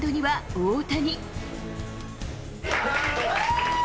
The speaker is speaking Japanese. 大谷！